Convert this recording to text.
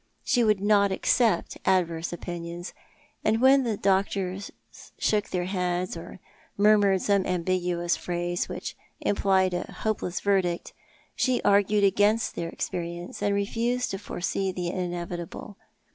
She would not accept adverse opinions ; and when the doctors shook their heads or murmured some ambiguous phrase which implied a hopeless verdict, she argued against their experience, and refused to foresee the inevitable.